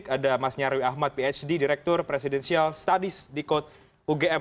ada mas nyarwi ahmad phd direktur presidensial studies di kot ugm